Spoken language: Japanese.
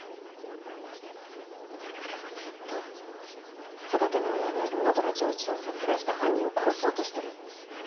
彼はずっと育ての親である男虎丈一郎を殺害した犯人を殺そうとしてる。